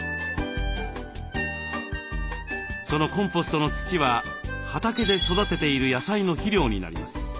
そのコンポストの土は畑で育てている野菜の肥料になります。